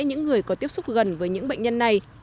những người có tiếp xúc gần với những bệnh nhân này